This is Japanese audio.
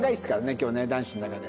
今日ね男子の中で。